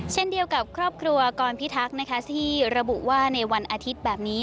เช่นเดียวกับครอบครัวกรพิทักษ์นะคะที่ระบุว่าในวันอาทิตย์แบบนี้